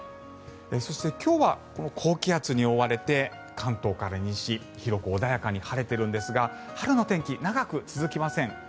そして今日はこの高気圧に覆われて関東から西広く穏やかに晴れているんですが春の天気は長く続きません。